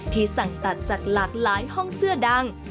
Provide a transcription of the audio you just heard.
สั่งตัดจากหลากหลายห้องเสื้อดัง